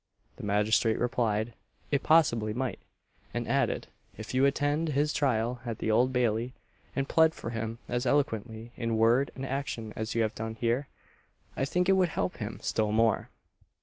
The magistrate replied, it possibly might; and added, "If you attend his trial at the Old Bailey, and plead for him as eloquently in word and action as you have done here, I think it would help him still more."